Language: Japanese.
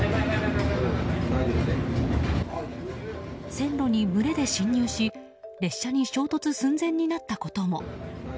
線路に群れで進入し列車に衝突寸前になったことも。